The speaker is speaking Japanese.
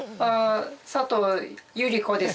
佐藤ゆり子です